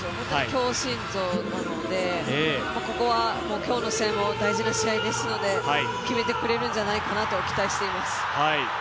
強心臓なので、今日の試合も大事な試合ですので決めてくれるんじゃないかなと期待しています。